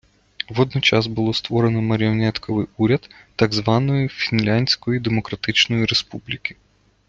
Водночас, було створено маріонетковий уряд так званої Фінляндської Демократичної Республіки.